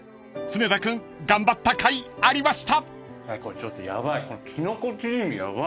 ［常田君頑張ったかいありました］